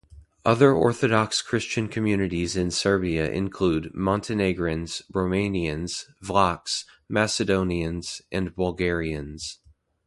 Other Orthodox Christian communities in Serbia include Montenegrins, Romanians, Vlachs, Macedonians and Bulgarians.